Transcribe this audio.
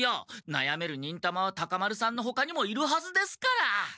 なやめる忍たまはタカ丸さんのほかにもいるはずですから！